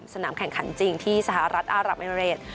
สนามแข่งขันจริงที่สหรัฐอารับเอเมริด